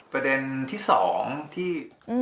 ประเด็นที่๒ที่